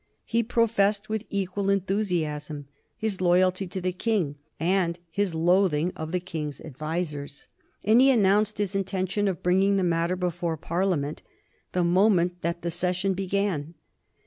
He professed with equal enthusiasm his loyalty to the King and his loathing of the King's advisers, and he announced his intention of bringing the matter before Parliament the moment that the session began.